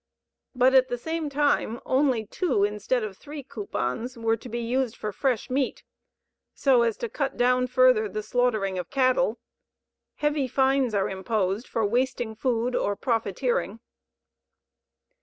But at the same time only 2 instead of 3 coupons were to be used for fresh meat, so as to cut down further the slaughtering of cattle. Heavy fines are imposed for wasting food or profiteering.